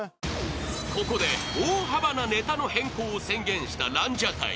［ここで大幅なネタの変更を宣言したランジャタイ］